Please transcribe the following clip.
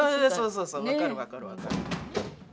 そうそうそう分かる分かる分かる。